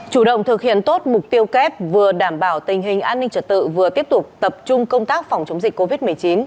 chủ động thực hiện tốt mục tiêu kép vừa đảm bảo tình hình an ninh trật tự vừa tiếp tục tập trung công tác phòng chống dịch covid một mươi chín